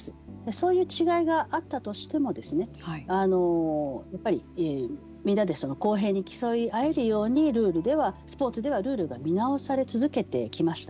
そういう違いがあったとしてもやっぱり、みんなで公平に競い合えるようにルールではスポーツではルールが見直され続けてきました